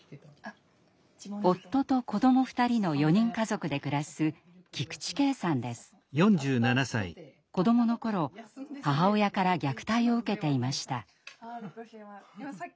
夫と子ども２人の４人家族で暮らす子どもの頃母親から虐待を受けていました。